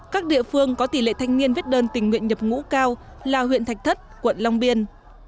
các địa phương có tỷ lệ thanh niên viết đơn tình nguyện nhập ngũ cao là huyện thạch thất quận long biên